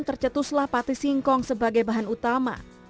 tercetuslah pati singkong sebagai bahan utama